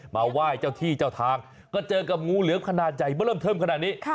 มาไหว้เจ้าที่เจ้าทางก็เจอกับงูเหลือมขนาดใหญ่มาเริ่มเทิมขนาดนี้